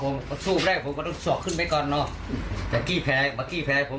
เนื้อสารเคยขี้แผลผม